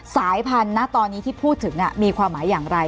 สายพันธุ์นะตอนนี้ที่พูดถึงมีความหมายอย่างไร